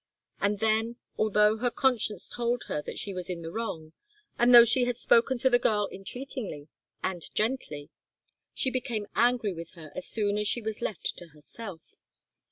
And then, although her conscience told her that she was in the wrong, and though she had spoken to the girl entreatingly and gently, she became angry with her as soon as she was left to herself.